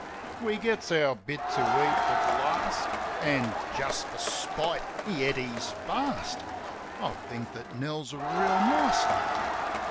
We gets our bit to eat at last. (An', just for spite, he et his fast) ... I think that Nell's a reel nice name